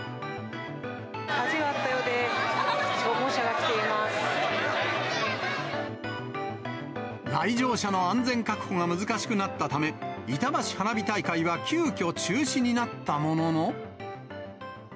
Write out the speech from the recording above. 火事があったようで、消防車来場者の安全確保が難しくなったため、いたばし花火大会は急きょ中止になったものの。